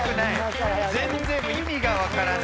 全然意味が分からない。